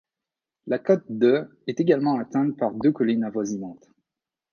La cote de est également atteinte par deux collines avoisinantes.